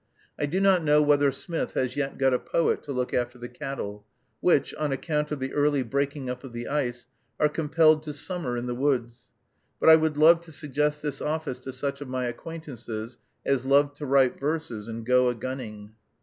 I do not know whether Smith has yet got a poet to look after the cattle, which, on account of the early breaking up of the ice, are compelled to summer in the woods, but I would suggest this office to such of my acquaintances as love to write verses and go a gunning.